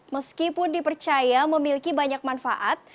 meskipun dipercaya memiliki banyak manfaat